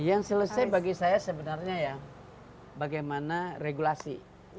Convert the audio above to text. yang selesai bagi saya sebenarnya ya bagaimana regulasi